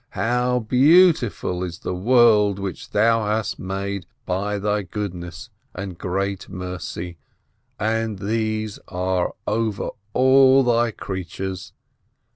How beautiful is the world which Thou hast made by Thy goodness and great mercy, and these are over all Thy creatures.